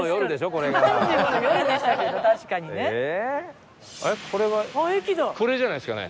これじゃないですかね？